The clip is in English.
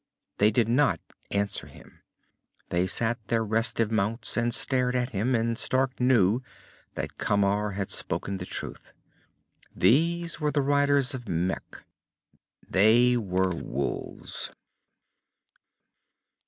They did not answer him. They sat their restive mounts and stared at him, and Stark knew that Camar had spoken the truth. These were the riders of Mekh, and they were wolves.